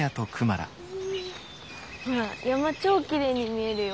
ほら山超きれいに見えるよ。